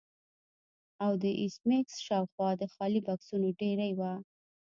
او د ایس میکس شاوخوا د خالي بکسونو ډیرۍ وه